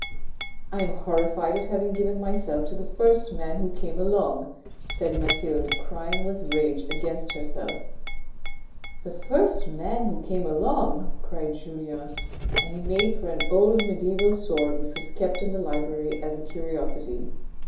" I am horrified at having given myself to the first man who came along," said Mathilde crying with rage against herself. AN OLD SWORD 355 " The first man who came along," cried Julien, and he made for an old mediaeval sword which was kept in the library as a curiosity.